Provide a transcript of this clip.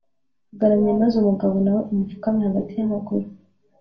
agaramye maze umugabo nawe amupfukame hagati y'amaguru